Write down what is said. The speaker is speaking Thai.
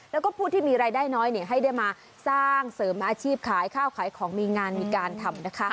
แล้วก็ผู้ที่มีรายได้น้อยให้ได้มาสร้างเสริมอาชีพขายข้าวขายของมีงานมีการทำนะคะ